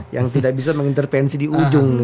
yang tidak bisa mengintervensi di ujung